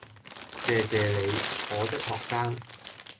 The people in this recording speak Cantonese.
謝謝你，我的學生